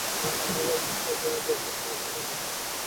ওই mister Devlin যার সাথে তুমি ছিলে?